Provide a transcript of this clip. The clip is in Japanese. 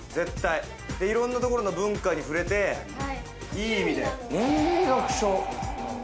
いろんなところの文化に触れて、いい意味で年齢が不詳。